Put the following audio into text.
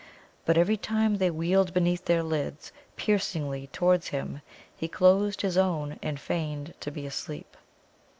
But every time they wheeled beneath their lids piercingly towards him he closed his own, and feigned to be asleep.